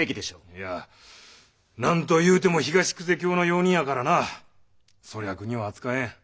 いや何というても東久世の用人やからな粗略には扱えん。